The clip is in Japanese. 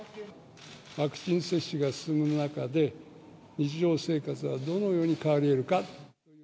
ワクチン接種が進む中で、日常生活はどのように変わりえるか。